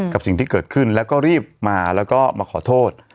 กับสิ่งที่เกิดขึ้นแล้วก็รีบมาแล้วก็มาขอโทษ